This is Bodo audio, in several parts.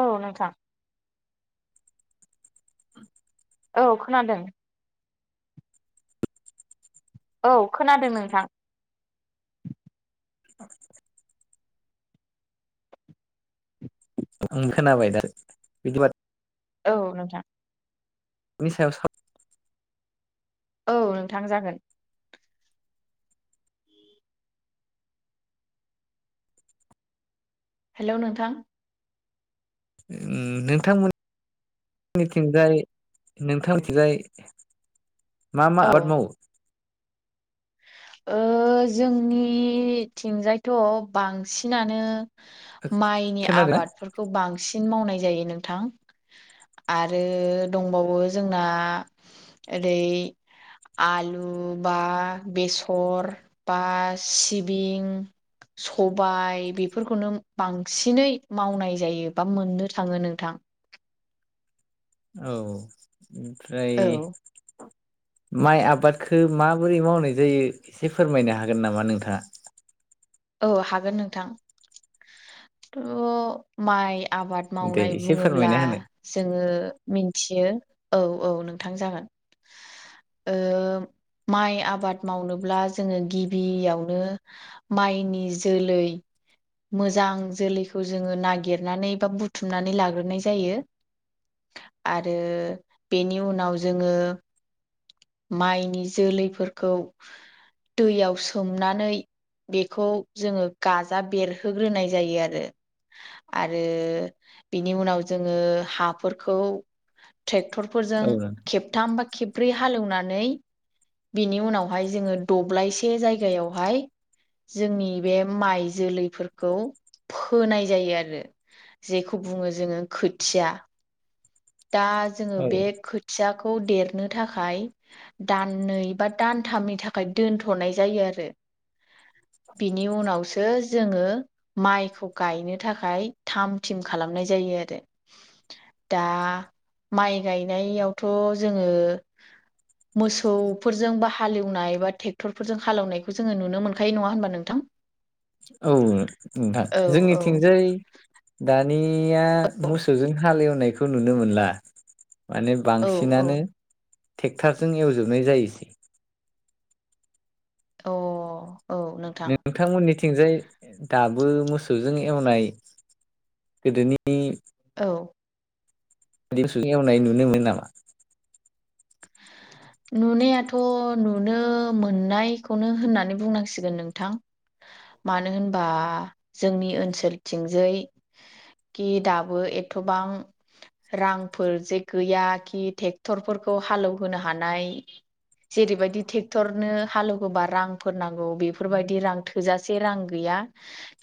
औ नोंथां। [inaudible] औ खोनादों औ खोनादों नोंथां। [inaudible] ओं खोनाबाय दा बिदिबा औ नोंथां [unintelligible] औ नोंथां जागोन। हेलौ नोंथां ओम नोंथांमोन मोननिथिंजाय नोंथां मोननिथिंजाय मा मा औ आबाद मावो? ओ जोंनिथिंजायथ' बांसिनानो माइनि खोनादोंना आबादफोरखौ बांसिन मावनाय जायो नोंथां। आरो दंबावो जोंना ओरै आलु बा बेसर बा सिबिं स'बाय बेफोरखौनो बांसिनै मावनाय जायो बा मोननो थाङो नोंथां। औ ओमफ्राय औ माइ आबादखौ माबोरै मावनाय जायो एसे फोरमायनो हागोन नामा नोंथाङा। औ हागोन नोंथां थ' माइ आबाद दे मावनाय एसे बुङोब्ला फोरमायना होनो जोङो मिन्थियो औ औ नोंथां जागोन। ओ माइ आबाद मावनोब्ला जोङो गिबियावनो माइनि जोलै मोजां जोलैखौ जोङो नागिरनानै बा बुथुमनानै लाग्रोनाय जायो। आरो बेनि उनाव जोङो माइनि जोलैफोरखौ दैयाव सोमनानै बेखौ जोङो गाजा बेरहोग्रोनाय जायो आरो आरो बिनि उनाव जोङो हाफोरखौ ट्रेक्टरफोरजों औ खेबथाम बा खेब्रै हालेवनानै बिनि उनावहाय जोङो दब्लायसे जायगायावहाय। जोंनि बे माइ जोलैफोरखौ फोनाय जायो आरो जेखौ बुङो जोङो खोथिया दा जोङो औ बे खोथियाखौ देरनो थाखाय दाननै बा दानथामनि थाखाय दोनथ'नाय जायो आरो बिनि उनावसो जोङो माइखौ गायनो थाखाय थाम थिम खालामनाय जायो आरो दा माइ गायनायावथ' जोङो मोसौफोरजों बा हालेवनाय बा ट्रेक्टरफोरजों हालेवनायखौ जोङो नुनो मोनखायो नङा होनबा नोंथां। [inaudible] औ नोंथां औ औ जोंनिथिंजाय दानिया मोसौजों हालेवनायखौ नुनो मोनला माने औ औ बांसिनानो टेक्टारजों एवजोबनाय जायोसै अ' औ नों नों नोंथांमोननिथिंजाय दाबो मोसौजों एवनाय गोदोनि औ मोसौजों एवनाय नुनो मोनो नामा [inaudible] नुनायाथ' नुनो मोननायखौनो होननानै बुंनांसिगोन नोंथां मानो होनबा जोंनि ओनसोलथिंजै कि दाबो एथ'बां रांफोर जे गैया खि ट्रेक्टरफोरखौ हालेवहोनो हानाय जेरैबायदि ट्रेक्टरनो हालौहोबा रांफोर नांगौ बेफोरबायदि रां थोजासे रां गैया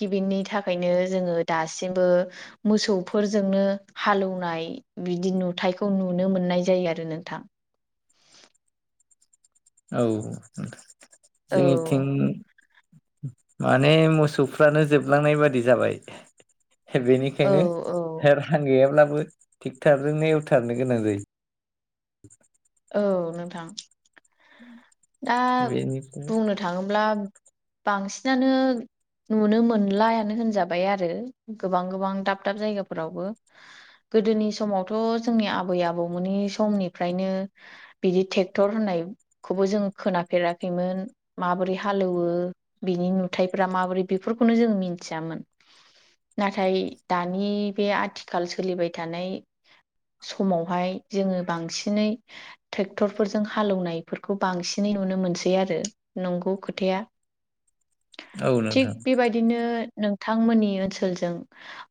कि बिनि थाखायनो जोङो दासिमबो मोसौफोरजोंनो हालौनाय बिदि नुथायखौ नुनो मोननाय जायो आरो नोंथां औ औ जोंनि थिं माने मोसौफ्रानो जोबलांनाय बादि जाबाय औ बेनिखायनो औ रां गैयाब्लाबो ट्रेक्टरजोंनो एवथारनो गोनां जायो [inaudible] औ नोंथां दा बेनिफ्राय बुंनो थाङोब्ला बांसिनानो नुनो मोनलायानो होनजाबाय आरो गोबां गोबां दाब दाब जायगाफोरावबो गोदोनि समावथ' जोंनि आबै आबौमोननि समनिफ्रायनो बिदि ट्रेक्टर होननाय खौबो जों खोनाफेराखैमोन माबोरै हालेवो बिनि नुथायफोरा माबोरै बेफोरखौनो जों मिथियामोन नाथाय दानि बे आथिखाल सोलिबाय थानाय समावहाय जोङो बांसिनै ट्रेक्टरफोरजों हाले एवनायफोरखौ बांसिनै नुनो मोनसै आरो नंगौ खोथाया औ नोंथां थिग बेबाय नो नोंथांमोननि ओनसोलजों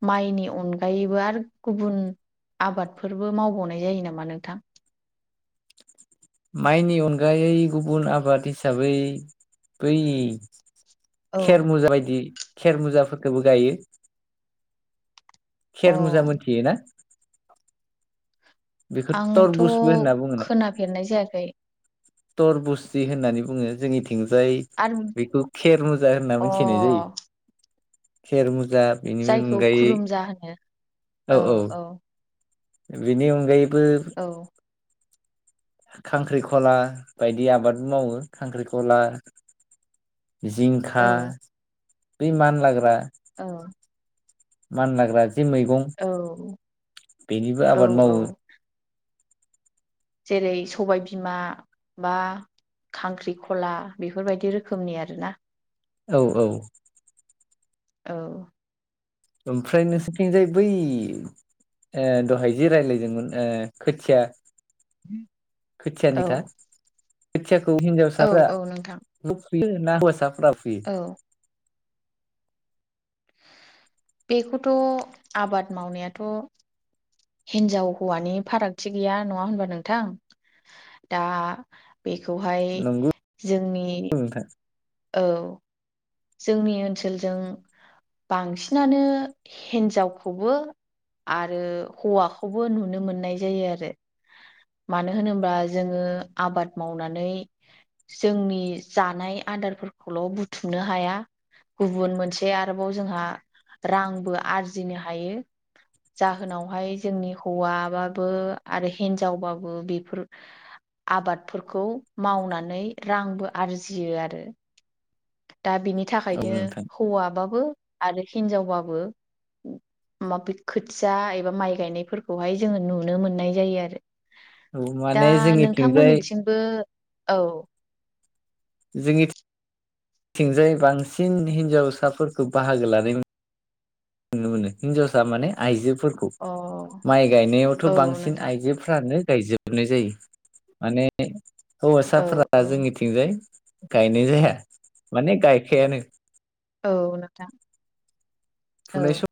माइनि अनगायैबो आरो गुबुन आबादफोरबो मावबावनाय जायो नामा नोंथां माइनि अनगायै गुबुन आबाद हिसाबै बै औ खेर मुजा बायदि खेर मुजाफोरखौबो गायो अ खेर मुजा मोनथियो ना बेखौ आंथ' थरबुसबो होनना बुङोना खोनाफेरनाय जायाखै थरबुसजि होननानै बुङो जोंनि थिंजाय आरो बेखौ खेर मुजा होनना मिथिनाय जायो अ खेर मुजा बेनि जायखौ अनगायै खुरुमजा होनो औ औ-औ औ बिनि अनगायैबो औ खांख्रिखला बायदि आबादबो मावो खांख्रिखला औ जिंखा बै मानलाग्रा औ मानलाग्रा जे मैगं औ। बेनिबो औ आबाद मावो। औ जेरै सबाय बिमा बा खांख्रिखला बेफोरबायदि रोखोमनि आरोना औ औ औ ओमफ्राय नोंसोरथिंजाय बै ओ दहाय जि रायलायदोंमोन ओ खोथिया खोथियानि औ था खोथियाखौ औ हिनजावसाफ्रा औ नोंथां बो फुयो ना हौवासाफ्रा फुयो? औ बेखौथ' आबाद मावनायाथ' हिनजाव हौवानि फारागथि गैया नङा होनबा नोंथां दा बेखौहाय नंगौ जोंनि नोंथां औ। जोंनि ओनसोलजों बांसिनानो हिन्जावखौबो आरो हौवाखौबो नुनो मोननाय जायो आरो। मानो होनोब्ला जोङो आबाद मावनानै जोंनि जानाय आदारफोरखौल' बुथुमनो हा हाया गुबुन मोनसे आरोबाव जोंहा रांबो आरजिनो हायो। जाहोनावहाय जोंनि हौवाबाबो आरो हिन्जावबाबो बेफोर आबादफोरखौ मावनानै रांबो आरजियो आरो। दा बिनि औ थाखायनो नोंथां हौवाबाबो आरो हिनजावबाबो माबे खोथिया एबा माइ गायनायफोरखौहाय जोङो नुनो मोननाय जायो आरो। औ दा माने जोंनिथिंजाय नोंथांमोननिथिंबो औ जोंनिथिंजाय बांसिन हिनजावसाफोरखौ बाहागो लानाय नुनो मोनो। नुनो मोनो हिन्जावसा माने आइजोफोरखौ अ माइ गायनायावथ' औ बांसिन नोंथां आइजोफ्रानो गायजोबनाय जायो माने औ हौवासाफोरा औ जोंनिथिंजाय गायनाय जाया माने गायखायानो। औ नोंथां। फुनाय औ सम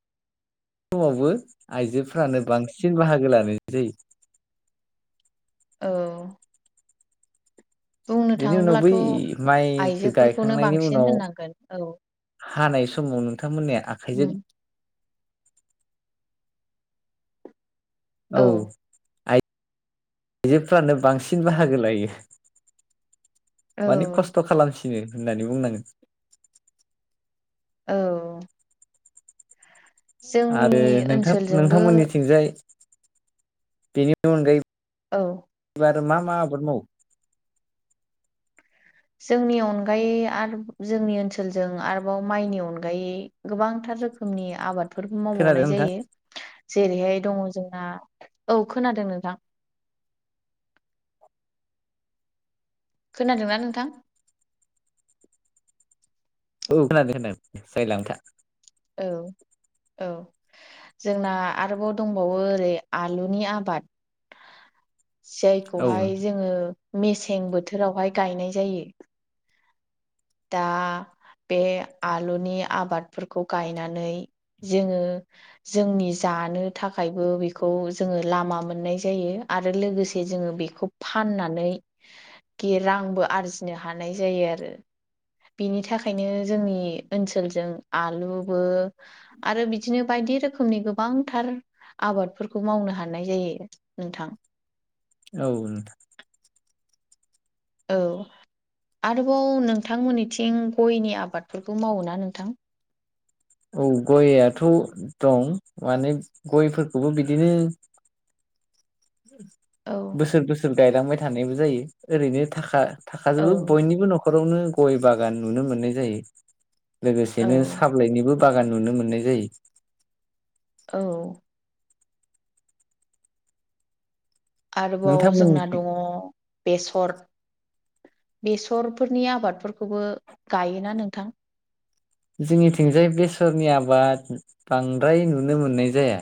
समावबो आइजोफ्रानो बांसिन बाहागो लानाय जायो। औ। बुंनो बेनि उनाव बै थाङोब्लाथ' माइखो आइजोफोरखौनो गायखांनायनि बांसिन उनाव होननांगोन औ हानाय समाव नोंथांमोननिया उम आखाइजों औ आइजोफ्रानो बांसिन बाहागो लायो। औ माने खस्थ' खालामसिनो होननानै बुंनांगोन। औ। जोंनि आरो नोंथां ओनसोलजोंबो नोंथांमोननिथिंजाय बेनि अनगायै औ। आरो मा मा आबाद मावो? जोंनि अनगायै आरो जोंनि ओनसोलजों आरोबाव माइनि अनगायै गोबांथार रोखोमनि आबाद बेफोरबो खोनादों मावबावनाय नोंथां? जायो जेरैहाय दङ जोंना औ खोनादों नोंथां। खोनादोंना नोंथां? औ खोनादों नोंथां जायलाबायथा औ औ जोंना आरोबाव दंबावो ओरै आलुनि आबाद औ जायखौहाय जोङो मेसें बोथोरावहाय गायनाय जायो। दा बे आलुनि आबादफोरखौ गायनानै जोङो जोंनि जानो थाखायबो बेखौ जोङो लामा मोननाय जायो आरो लोगोसे जोङो बेखौ फाननानै गे रांबो आरजिनो हानाय जायो आरो। बेनि थाखायनो जोंनि ओनसोलजों आलुबो आरो बिदिनो बायदि रोखोमनि गोबांथार आबादफोरखौ मावनो हानाय जायो नोंथां। औ नोंथां। औ आरोबाव नोंथांमोननिथिं गयनि आबादफोरखौ मावो ना नोंथां? औ गयआथ' दं माने गयफोरखौबो बिदिनो औ बोसोर बोसोर गायलांबाय थानायबो जायो ओरैनो थाखा औ थाखाजोबो बयनिबो न'खरावनो गय बागान नुनो मोननाय जायो। औ लोगोसेनो साफ्लइनिबो बागान नुनो मोननाय जायो। औ आरोबाव जोंना नोंथांमोननिथिं दङ बेसर बेसरफोरनि आबादफोरखौबो गायोना नोंथां? जोंनिथिंजाय बेसरनि आबाद बांद्राय नुनो मोननाय जाया।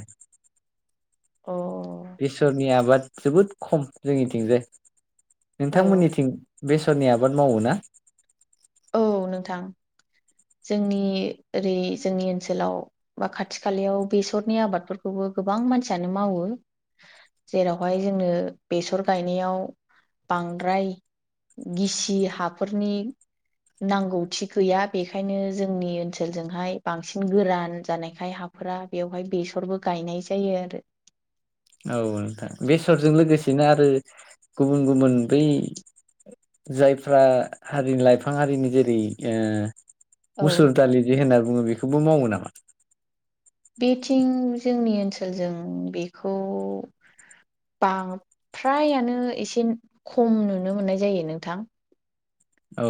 अ बेसरनि आबाद जोबोद खम जोंनिथिंजाय औ नोंथांमोननिथिं बेसरनि आबाद मावो ना? औ नोंथां जोंनि ओरै जोंनि ओनसोलाव बा खाथि खालायाव बेसरनि आबादफोरखौबो गोबां मानसियानो मावो। जेरावहाय जोंनो बेसर गायनायाव बांद्राय गिसि हाफोरनि नांगौथि गैया बेखायनो जोंनि ओनसोलजोंहाय बांसिन गोरान जानायखाय हा फोरा बेवहाय बेसरबो गायनाय जायो आरो। औ नोंथां बेसरजों लोगोसेनो आरो गुबुन गुबुन बै जायफ्रा हारिनि लाइफां हारिनि जेरै औ मुसुर दालि जे होनना बुङो बेखौबो मावो नामा? बेथिं जोंनि ओनसोलजों बेखौ बां फ्रायानो एसे खम नुनो मोननाय जायो नोंथां। औ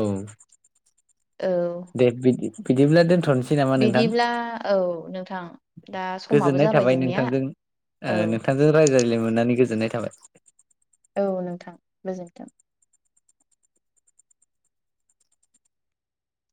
औ दे बिदि बिदिब्ला दोनथ'नोसै नामा नोंथां? बिदिब्ला औ नोंथां दा समाबो गोजोननाय जाबाय थाबाय जोंनिया नोंथांजों औ नोंथांजों रायज्लायनो मोननानै गोजोननाय थाबाय। औ नोंथां गोजोनथों।